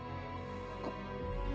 あっ。